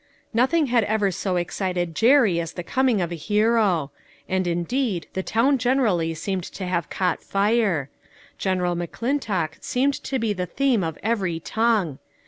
Nothing had ever so excited Jerry as the coming of the hero ; and indeed the town gen erally seemed to have caught fire. General McClintock seemed to be the theme of every tongue.